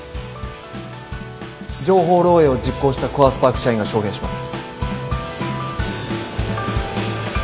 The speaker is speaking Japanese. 情報漏えいを実行したコアスパーク社員が証言します。